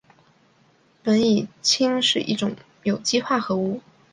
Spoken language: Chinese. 苯乙腈是一种有机化合物。